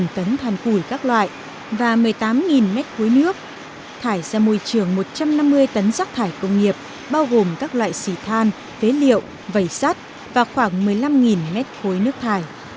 một trăm năm mươi tấn sắc thải công nghiệp bao gồm các loại xỉ than phế liệu vầy sắt và khoảng một mươi năm mét khối nước thải